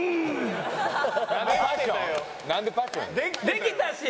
できたし。